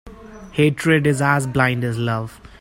Hatred is as blind as love.